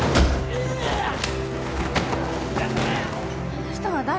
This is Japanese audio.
あの人は誰？